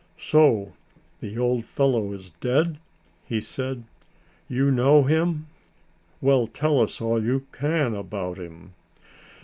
"So the old fellow is dead?" he said. "You know him? Well, tell us all you can about him."